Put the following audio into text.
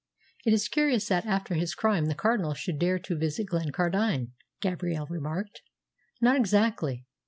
"It is curious that after his crime the Cardinal should dare to visit Glencardine," Gabrielle remarked. "Not exactly.